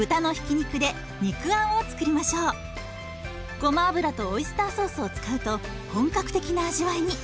ごま油とオイスターソースを使うと本格的な味わいに！